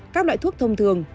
các loại thuốc thông thường